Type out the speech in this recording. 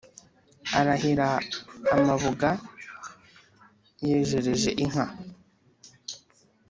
arahira amabuga yejereje inka